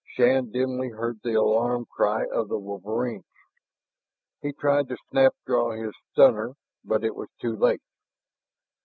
Shann dimly heard the alarm cry of the wolverines. He tried to snap draw his stunner, but it was too late.